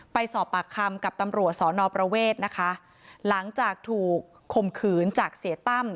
ไปสอบปากคำกับตำรวจสอนอประเวทนะคะหลังจากถูกข่มขืนจากเสียตั้ม